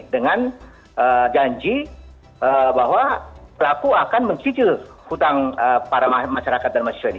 dengan janji bahwa pelaku akan mencicil hutang para masyarakat dan mahasiswa ini